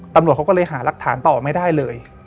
ตำรวจเขาก็เลยหารักฐานต่อไม่ได้เลย